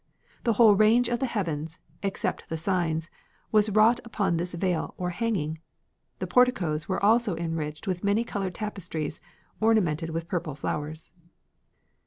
The whole range of the heavens, except the signs, was wrought upon this veil or hanging. The porticos were also enriched with many coloured tapestries ornamented with purple flowers."